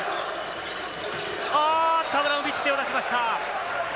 アブラモビッチ、手を出しました。